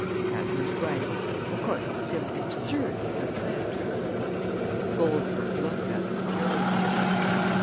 "That was right. Of course, it's simply absurd to suspect her." Goldberg looked at him curiously.